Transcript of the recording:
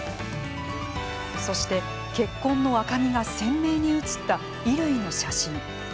そして、血痕の赤みが鮮明に写った衣類の写真。